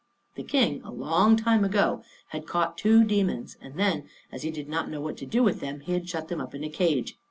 The King a long time ago had caught two demons, and then, as he did not know what to do with them, he had shut them up in a cage.